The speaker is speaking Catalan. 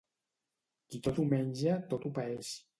Qui tot ho menja tot ho paeix.